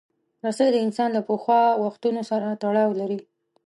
رسۍ د انسان له پخوا وختونو سره تړاو لري.